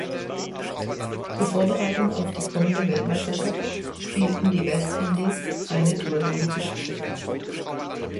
Zur Vorbereitung auf die kommende Weltmeisterschaft spielten die West Indies eine Tour gegen Südafrika.